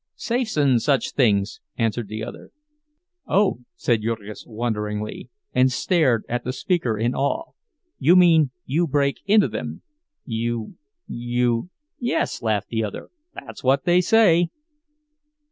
"Safes, and such things," answered the other. "Oh," said Jurgis, wonderingly, and stared at the speaker in awe. "You mean you break into them—you—you—" "Yes," laughed the other, "that's what they say."